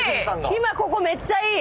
今ここめっちゃいい！